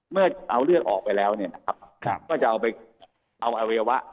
เมื่อเอาเลือดออกไปแล้วเนี่ยนะครับก็จะเอาไปเอาอวัยวะ